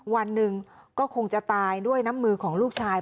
วันหนึ่งก็คงจะตายด้วยน้ำมือของลูกชาย